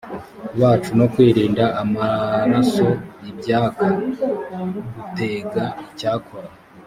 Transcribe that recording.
bacu no kwirinda amaraso ibyak guteg icyakora